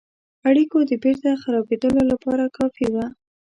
اړېکو د بیرته خرابېدلو لپاره کافي وه.